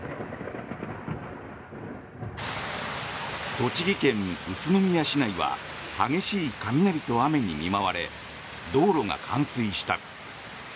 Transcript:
栃木県宇都宮市内は激しい雷と雨に見舞われ道路が冠水した。